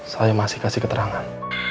saya masih kasih keterangan